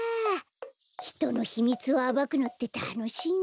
ひとのひみつをあばくのってたのしいな。